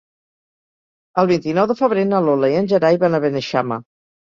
El vint-i-nou de febrer na Lola i en Gerai van a Beneixama.